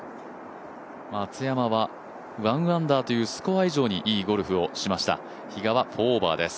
松山は１アンダーというスコア以上にいいゴルフをしました、比嘉は４オーバーです。